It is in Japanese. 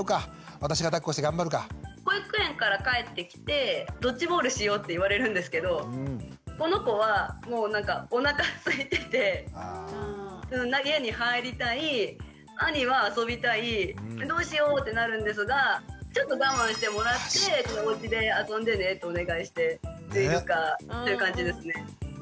保育園から帰ってきて「ドッジボールしよう」って言われるんですけどこの子はもうなんかおなかすいてて家に入りたい兄は遊びたいどうしようってなるんですがちょっと我慢してもらって「おうちで遊んでね」とお願いしているかという感じですね。